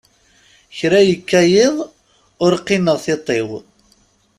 Kra yekka yiḍ, ur qqineɣ tiṭ-iw.